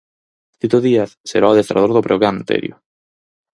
Tito Díaz será o adestrador do Breogán, Terio.